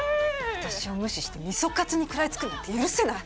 私を無視して味噌カツに食らいつくなんて許せない。